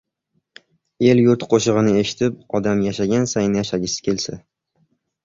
el-yurt qo‘shig‘ini eshitib, odam yashagan sayin yashagisi kelsa…